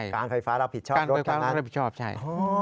การไฟฟ้ารับผิดชอบหรือเปล่าใช่